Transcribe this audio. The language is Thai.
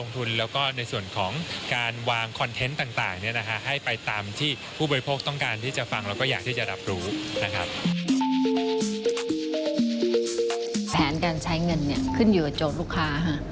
แผนการใช้เงินขึ้นอยู่กับโจทย์ลูกค้า